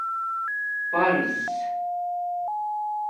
پرسس